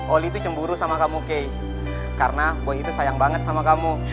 oli tuh cemburu sama kamu kay karena boy itu sayang banget sama kamu